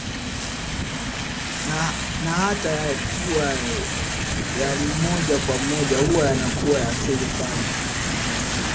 Na hata yakiwa ya moja kwa moja hua yanakuwa ya siri sana